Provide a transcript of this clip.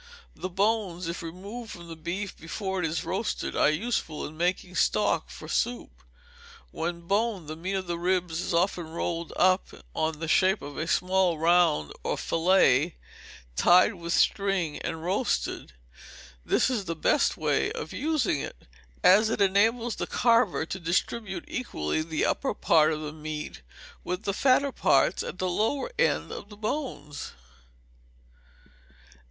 The bones, if removed from the beef before it is roasted, are useful in making stock for soup. When boned, the meat of the ribs is often rolled up on the shape of a small round or fillet, tied with string, and roasted; and this is the best way of using it, as it enables the carver to distribute equally the upper part of the meat with the fatter parts, at the lower end of the bones.